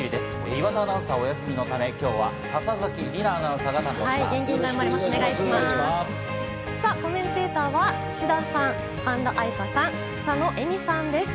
岩田アナウンサーはお休みのため、今日は笹崎里菜アナウンサーが担当します。